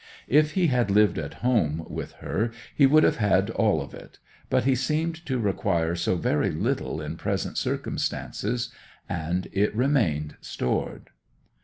If he had lived at home with her he would have had all of it; but he seemed to require so very little in present circumstances, and it remained stored.